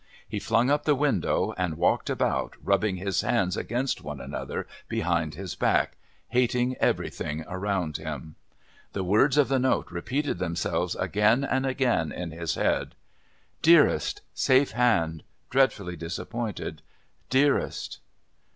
He flung up the window, walked about rubbing his hands against one another behind his back, hating everything around him. The words of the note repeated themselves again and again in his head. "Dearest...safe hand...dreadfully disappointed.... Dearest."